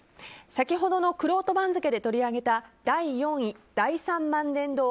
先ほどのくろうと番付で取り上げた第４位、大三萬年堂